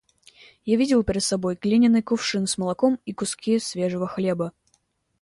Я видел перед собой глиняный кувшин с молоком и куски свежего хлеба.